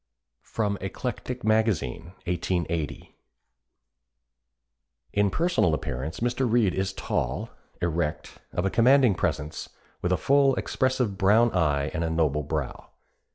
[Sidenote: Eclectic Magazine, 1880.] "In personal appearance Mr. Reade is tall, erect, of a commanding presence, with a full, expressive brown eye and a noble brow.